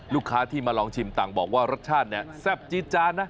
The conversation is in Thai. ลูกค้าที่มาลองชิมต่างบอกว่ารสชาติเนี่ยแซ่บจี๊ดจานนะ